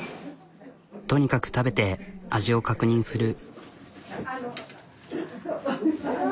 とにかく食べて味を確認する。